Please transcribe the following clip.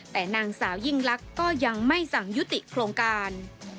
แต่นางสาวยิ่งลักษณ์ก็ยังไม่สั่งยุติโครงการ